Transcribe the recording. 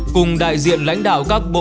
cùng đại diện lãnh đạo các bộ